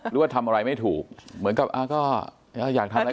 หรือว่าทำอะไรไม่ถูกเหมือนกับก็อยากทำอะไร